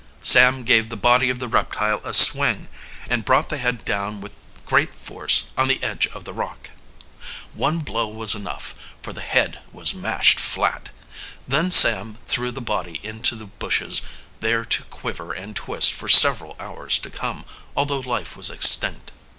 Sam gave the body of the reptile a swing and brought the head down with great force on the edge of the rock. One blow was enough, for the head was mashed flat. Then Sam threw the body into the bushes, there to quiver and twist for several hours to come, although life was extinct.